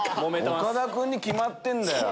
岡田君に決まってんだよ！